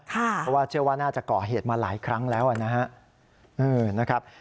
เพราะว่าเชื่อว่าน่าจะก่อเหตุมาหลายครั้งแล้วนะครับ